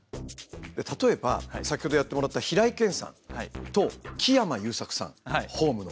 例えば先ほどやってもらった平井堅さんと木山裕策さん「ｈｏｍｅ」の。